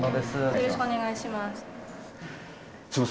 よろしくお願いします。